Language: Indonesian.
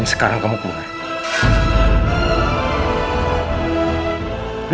saya akan ke rumah kamu besok